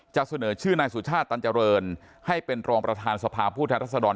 จะเสนอชื่อนายสุชาติตันเจริญให้เป็นรองประธานสภาผู้แทนรัศดร